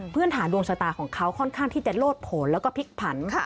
เพื่อนฐานดวงชะตาของเขาค่อนข้างที่จะโลศพลและพิกพัน